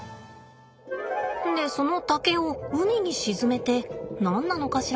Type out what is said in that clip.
でその竹を海に沈めて何なのかしら。